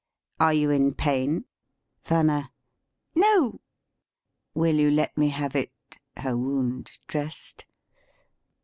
Are you in pain? "VANNA. No! "PRINZIVALLE. Will you let me have it [her wound] dressed?